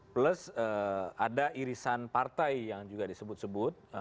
plus ada irisan partai yang juga disebut sebut